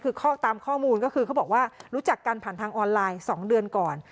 คือตามข้อมูลก็คือเขาบอกว่ารู้จักกันผ่านทางออนไลน์๒เดือนก่อน